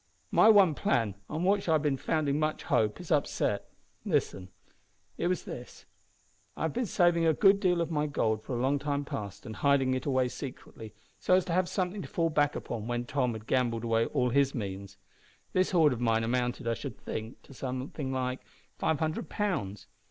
"My one plan, on which I had been founding much hope, is upset. Listen. It was this. I have been saving a good deal of my gold for a long time past and hiding it away secretly, so as to have something to fall back upon when poor Tom had gambled away all his means. This hoard of mine amounted, I should think, to something like five hundred pounds.